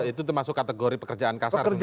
itu masuk kategori pekerjaan kasar sebenarnya